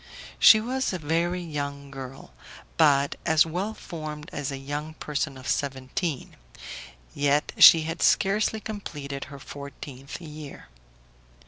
She was a very young girl, but as well formed as a young person of seventeen; yet she had scarcely completed her fourteenth year.